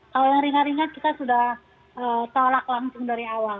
kalau yang ringan ringan kita sudah tolak langsung dari awal